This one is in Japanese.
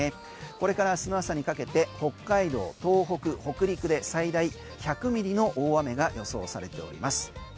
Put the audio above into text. これから明日の朝にかけて北海道東北、北陸で最大１００ミリの大雨が予想されております。